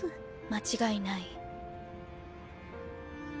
間違いない。